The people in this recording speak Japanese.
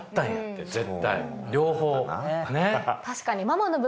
確かに。